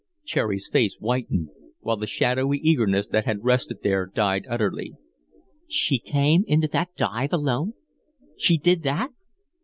Cherry's face whitened, while the shadowy eagerness that had rested there died utterly. "She came into that dive alone? She did that?"